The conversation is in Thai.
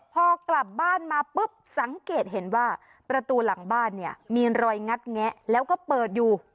พอกลับบ้านมาปุ๊บสังเกตเห็นว่าประตูหลังบ้านเนี่ยมีรอยงัดแงะแล้วก็เปิดอยู่